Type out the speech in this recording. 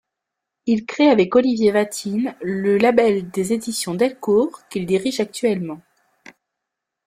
Il crée avec Olivier Vatine le label des éditions Delcourt, qu'il dirige actuellement.